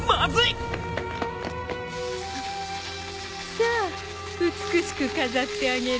さあ美しく飾ってあげるわ。